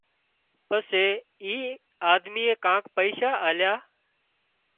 پسي اي آۮميئي ڪانڪ پئيشا آليا